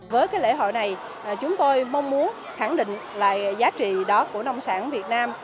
với cái lễ hội này chúng tôi mong muốn khẳng định lại giá trị đó của nông sản việt nam